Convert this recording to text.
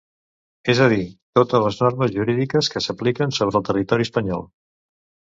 És a dir, totes les normes jurídiques que s'apliquen sobre el territori espanyol.